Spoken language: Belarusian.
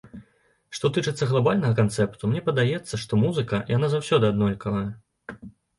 Што тычыцца глабальнага канцэпту, мне падаецца, што музыка, яна заўсёды аднолькавая.